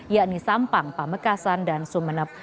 yakni sampang pamekasan dan sumeneb